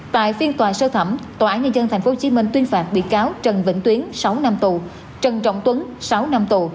tại phiên tòa sơ thẩm tòa án nhân dân tp hcm tuyên phạt bị cáo trần vĩnh tuyến sáu năm tù trần trọng tuấn sáu năm tù